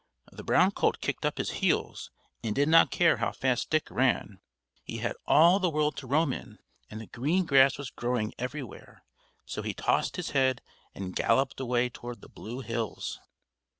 The brown colt kicked up his heels, and did not care how fast Dick ran. He had all the world to roam in, and the green grass was growing everywhere; so he tossed his head and galloped away toward the blue hills.